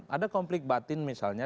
ada konflik batin misalnya